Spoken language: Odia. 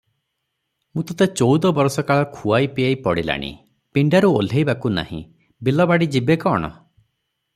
"ମୁଁ ତୋତେ ଚଉଦ ବରଷ କାଳ ଖୁଆଇ ପିଆଇ ପଡ଼ିଲାଣି, ପିଣ୍ଡାରୁ ଓହ୍ଲାଇବାକୁ ନାହିଁ, ବିଲବାଡ଼ି ଯିବେ କଣ?